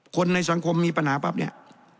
คนในสังคมมีปัญหาปั๊บเนี่ย